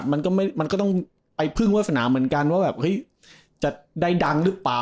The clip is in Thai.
มันก็มันก็ต้องไปพึ่งวาสนาเหมือนกันว่าแบบเฮ้ยจะได้ดังหรือเปล่า